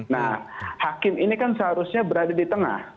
nah hakim ini kan seharusnya berada di tengah